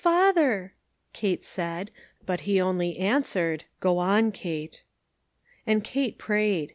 431 «* O, father I " Kate said, but he only answered : "Go on, Kate." And Kate prayed.